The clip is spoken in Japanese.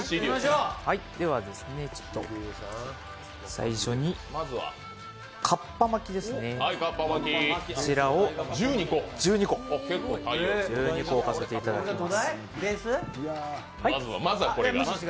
最初にかっぱ巻きですね、こちらを１２個置かせていただきます。